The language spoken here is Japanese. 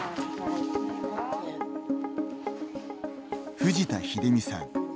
藤田秀美さん。